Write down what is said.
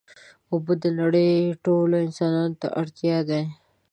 اوبه د نړۍ ټولو انسانانو ته اړتیا دي.